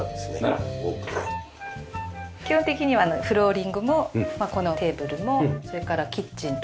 基本的にはフローリングもこのテーブルもそれからキッチンとか扉も全部ナラで統一して。